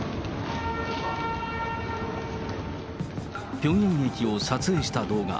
ピョンヤン駅を撮影した動画。